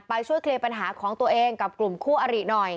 ช่วยเคลียร์ปัญหาของตัวเองกับกลุ่มคู่อริหน่อย